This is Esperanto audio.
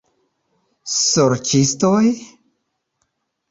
Sorĉistoj?